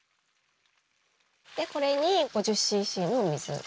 でこれに５０ｃｃの水。